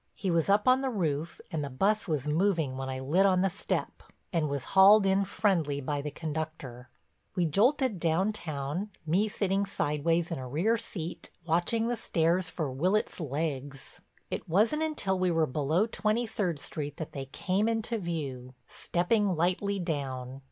He was up on the roof, and the bus was moving when I lit on the step, and was hauled in friendly by the conductor. We jolted downtown, me sitting sideways in a rear seat watching the stairs for Willitts' legs. It wasn't until we were below Twenty third Street that they came into view, stepping lightly down.